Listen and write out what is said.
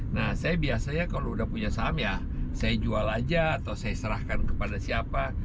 nah saya biasanya kalau udah punya saham ya saya jual aja atau saya serahkan kepada siapa